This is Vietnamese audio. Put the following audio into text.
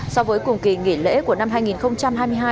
so với cùng kỳ nghỉ lễ của năm hai nghìn hai mươi hai